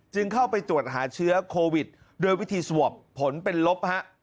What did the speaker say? จึงเข้าไปตรวจหาเชื้อโควิดโดยวิธีสวบผลเป็นลบฮะ